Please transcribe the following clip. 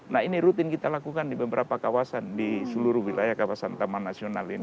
nah ini rutin kita lakukan di beberapa kawasan di seluruh wilayah kawasan taman nasional ini